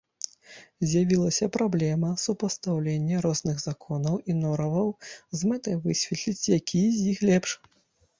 З'явілася праблема супастаўлення розных законаў і нораваў з мэтай высветліць, якія з іх лепш.